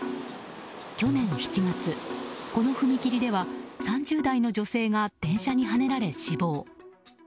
去年７月、この踏切では３０代の女性が電車にはねられ死亡。